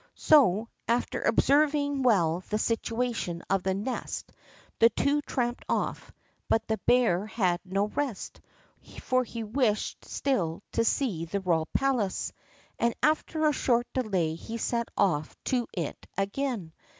So, after observing well the situation of the nest, the two tramped off, but the bear had no rest, for he wished still to see the royal palace, and after a short delay he set off to it again.